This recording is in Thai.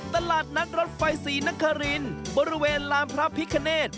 ตลาดนัดรถไฟศรีนครินบริเวณลานพระพิคเนต